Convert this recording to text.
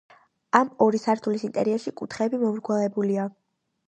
ამ ორი სართულის ინტერიერში კუთხეები მომრგვალებულია.